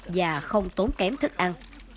và không tốn kém thức ăn